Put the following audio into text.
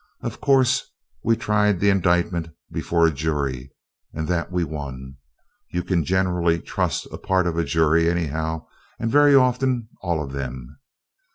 Of course, we tried the indictment before a jury, and that we won. You can generally trust a part of a jury anyhow, and very often all of them.